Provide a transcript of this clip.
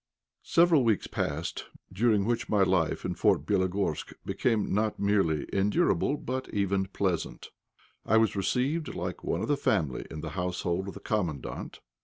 Several weeks passed, during which my life in Fort Bélogorsk became not merely endurable, but even pleasant. I was received like one of the family in the household of the Commandant.